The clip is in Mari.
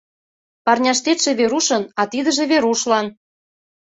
— Парняштетше Верушын, а тидыже Верушлан.